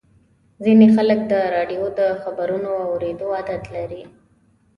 ځینې خلک د راډیو د خبرونو اورېدو عادت لري.